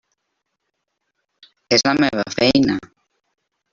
És la meva feina.